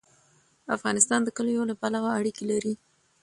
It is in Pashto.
افغانستان د کلیو له پلوه اړیکې لري.